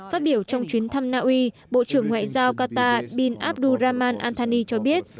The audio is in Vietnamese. phát biểu trong chuyến thăm naui bộ trưởng ngoại giao qatar bin abdurrahman anthony cho biết